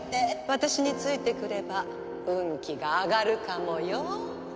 私についてくれば運気が上がるかもよ